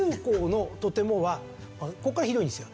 ここからひどいんですよ。